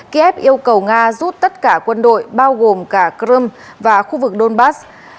kiev yêu cầu nga rút tất cả quân đội bao gồm cả crimea và khu vực donbass